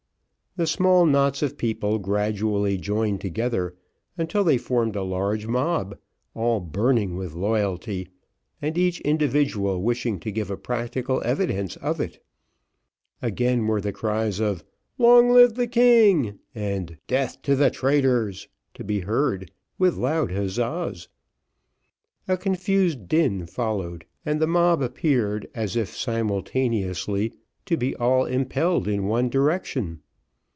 The small knots of people gradually joined together, until they formed a large mob, all burning with loyalty, and each individual wishing to give a practical evidence of it again were the cries of "Long live the King!" and "Death to traitors!" to be heard, with loud huzzas. A confused din followed, and the mob appeared, as if simultaneously, to be all impelled in one direction.